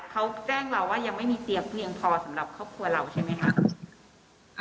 เขาแจ้งเราว่ายังไม่มีเตียงเพียงพอสำหรับครอบครัวเราใช่ไหมคะ